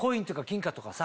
金貨とかさ